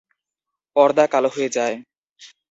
পর্দা কালো হয়ে যায়।